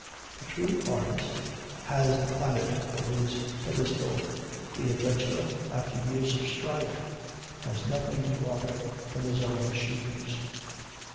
The true artist has the planet for his pedestal; the adventurer, after years of strife, has nothing broader than his own shoes.